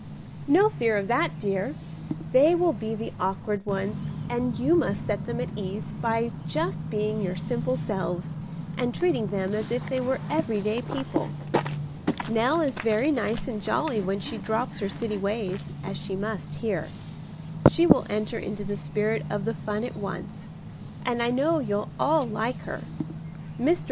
"No fear of that, dear. They will be the awkward ones, and you must set them at ease by just being your simple selves, and treating them as if they were every day people. Nell is very nice and jolly when she drops her city ways, as she must here. She will enter into the spirit of the fun at once, and I know you'll all like her. Mr.